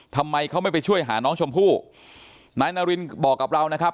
ทำไมเขาไม่ไปช่วยหาน้องชมพู่นายนารินบอกกับเรานะครับ